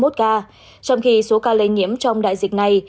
trong khi số ca lây nhiễm trong đại dịch này